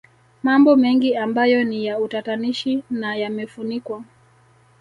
Mambo mengi ambayo ni ya utatanishi na yamefunikwa